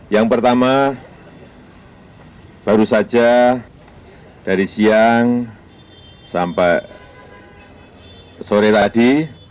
yang pertama baru saja dari siang sampai sore tadi